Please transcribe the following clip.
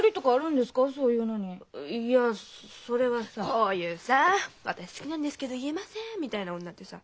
こういうさ「私好きなんですけど言えません」みたいな女ってさ